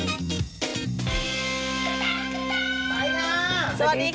กลับมาพูดมากมาก